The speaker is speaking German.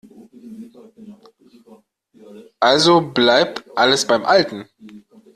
Also bleibt alles beim Alten.